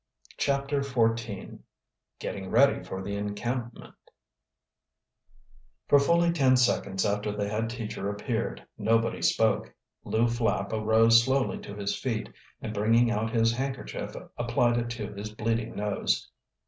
CHAPTER XIV GETTING READY FOR THE ENCAMPMENT For fully ten seconds after the head teacher appeared nobody spoke. Lew Flapp arose slowly to his feet, and bringing out his handkerchief applied it to his bleeding nose.